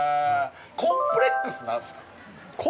◆コンプレックス何すか。